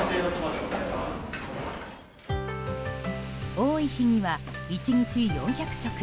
多い日には１日４００食。